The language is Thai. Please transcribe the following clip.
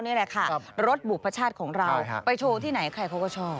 นี่แหละค่ะรถบุพชาติของเราไปโชว์ที่ไหนใครเขาก็ชอบ